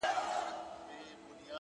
ژوند سرینده نه ده؛ چي بیا یې وږغوم؛